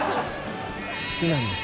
好きなんです。